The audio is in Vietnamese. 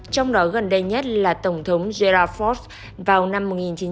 trong đó gần đây nhất là tổng thống gerald ford vào năm một nghìn chín trăm bảy mươi bốn